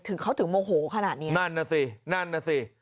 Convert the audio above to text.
ถึงเขาถึงโมโหขนาดนี้